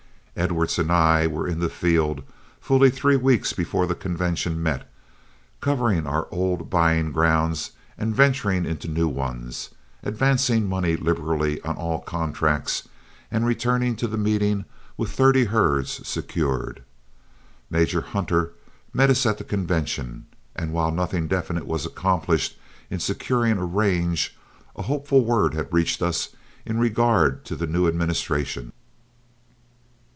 Edwards and I were in the field fully three weeks before the convention met, covering our old buying grounds and venturing into new ones, advancing money liberally on all contracts, and returning to the meeting with thirty herds secured. Major Hunter met us at the convention, and while nothing definite was accomplished in securing a range, a hopeful word had reached us in regard to the new administration.